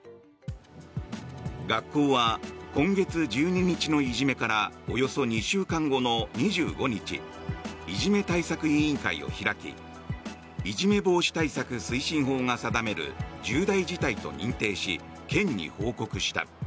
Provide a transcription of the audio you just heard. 学校は今月１２日のいじめからおよそ２週間後の２５日いじめ対策委員会を開きいじめ防止対策推進法が定める重大事態と認定し県に報告した。